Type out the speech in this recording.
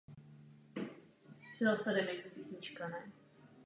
Ten samý rok si zahrála ve filmu "Husí kůže".